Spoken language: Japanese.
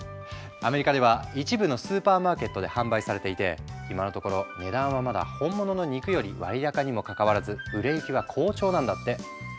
アメリカでは一部のスーパーマーケットで販売されていて今のところ値段はまだ本物の肉より割高にもかかわらず売れ行きは好調なんだって。